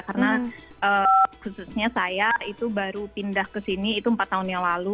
karena khususnya saya itu baru pindah ke sini itu empat tahun yang lalu